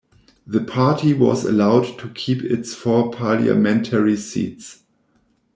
The party was allowed to keep its four parliamentary seats.